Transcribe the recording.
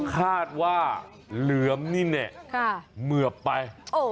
คาดว่าเหลือมนี่เนี่ยเหมือบไป